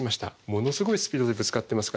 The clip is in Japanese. ものすごいスピードでぶつかってますから。